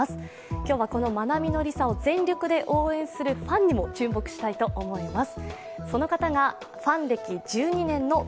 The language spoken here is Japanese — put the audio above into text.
今日はこのまなみのりさを全力で応援するファンにも注目したいと思います。